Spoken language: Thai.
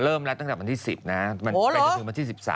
เริ่มแล้วตั้งแต่วันที่๑๐นะมันไปจนถึงวันที่๑๓